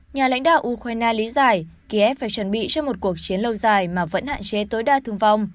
nhà lãnh đạo ukraine lý giải kiev phải chuẩn bị cho một cuộc chiến lâu dài mà vẫn hạn chế tối đa thương vong